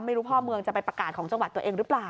ไม่รู้พ่อเมืองจะไปประกาศของจังหวัดตัวเองหรือเปล่า